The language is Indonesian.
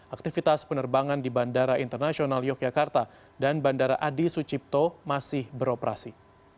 aktivitas penerbangan di bandara internasional yogyakarta dan bandara adi sucipto masih beroperasi